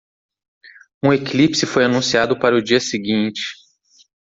Um eclipse foi anunciado para o dia seguinte.